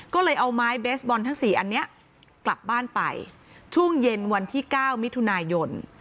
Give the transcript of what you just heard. ก็เลยเอาไม้เบสบอลทั้ง๔อันนี้กลับบ้านไปช่วงเย็นวันที่๙มิถุนายน